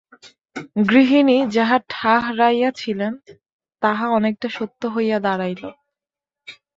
গৃহিণী যাহা ঠাহরাইয়াছিলেন, তাহা অনেকটা সত্য হইয়া দাঁড়াইল।